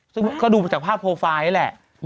ซึ่งก็ดูจากภาพโปรไฟล์นี่แหละ